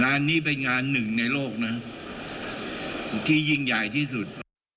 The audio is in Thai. งานนี้เป็นงานหนึ่งในโลกนะที่ยิ่งใหญ่ที่สุด